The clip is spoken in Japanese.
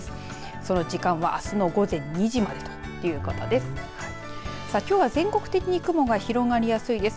その時間はあすの午前２時までということです。